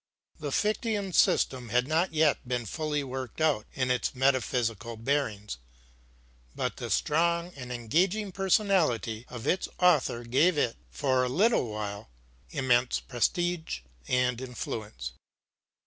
The Fichtean system had not yet been fully worked out in its metaphysical bearings, but the strong and engaging personality of its author gave it, for a little while, immense prestige and influence.